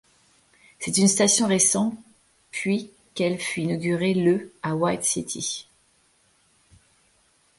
C'est une station récente, puis qu'elle fut inaugurée le à White City.